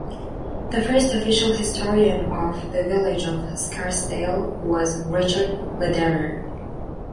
The first official historian of the Village of Scarsdale was Richard Lederer.